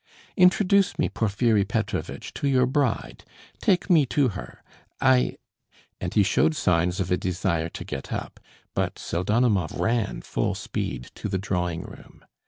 "Introduce me, Porfiry Petrovitch, to your bride.... Take me to her ... I...." And he showed signs of a desire to get up. But Pseldonimov ran full speed to the drawing room.